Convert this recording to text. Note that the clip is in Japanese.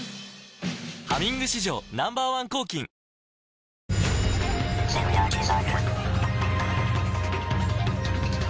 「ハミング」史上Ｎｏ．１抗菌世界初！